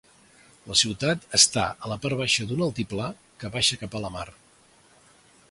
La ciutat està a la part baixa d'un altiplà que baixa cap a la mar.